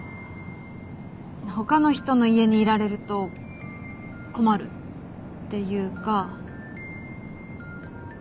他の人の家にいられると困るっていうか。